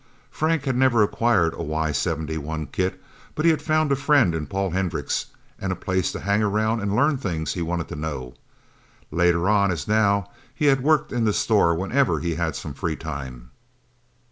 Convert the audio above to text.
Frank had never acquired a Y 71 kit, but he had found a friend in Paul Hendricks, and a place to hang around and learn things he wanted to know. Later on, as now, he had worked in the store whenever he had some free time.